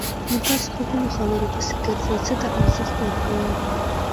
نو تاسو په کومو خبرو پسې ګرځئ! څه ته ارزښت ورکوئ؟